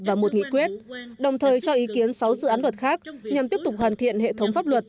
và một nghị quyết đồng thời cho ý kiến sáu dự án luật khác nhằm tiếp tục hoàn thiện hệ thống pháp luật